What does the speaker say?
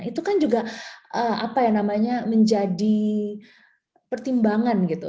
itu kan juga menjadi pertimbangan gitu